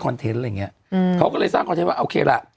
เทนต์อะไรอย่างเงี้ยอืมเขาก็เลยสร้างคอนเทนต์ว่าโอเคล่ะ